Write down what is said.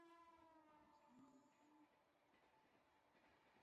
د ملتونو د ناکامۍ اصلي عامل همدغه بنسټونه دي.